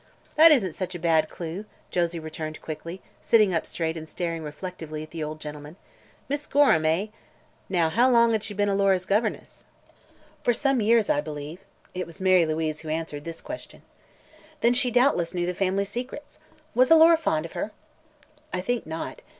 "That isn't such a bad clew!" Josie quickly returned, sitting up straight and staring reflectively at the old gentleman. "Miss Gorham, eh? Now, how long had she been Alora's governess?" "For some years, I believe." It was Mary Louise who answered this question. "Then she doubtless knew the family secrets. Was Alora fond of her?" "I think not.